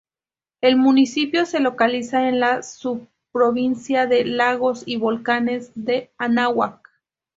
El municipio se localiza en la subprovincia de lagos y volcanes del Anáhuac.